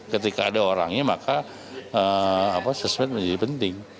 ketika ada orangnya maka sosmed menjadi penting